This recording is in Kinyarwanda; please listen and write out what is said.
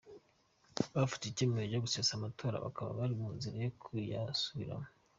Bafashe icyemezo cyo gusesa amatora bakaba bari mu nzira yo kuyasubiramo.